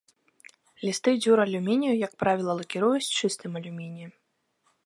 Лісты дзюралюмінію, як правіла, лакіруюць чыстым алюмініем.